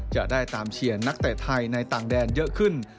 จะได้ตามเชียร์นักเตะไทยในต่างแดนเยอะขึ้น